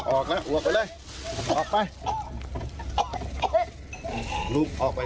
ออกแล้วอวกไปได้ออกไป